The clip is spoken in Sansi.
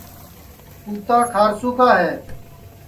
کُوتا کھارسو کا ہے